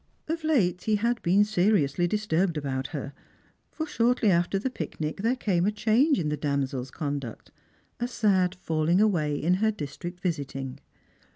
Of late he had been seriously disturbed about her ; for shortly after the picnic there came a change in the damsel's conduct, a sad falling away in her district visiting.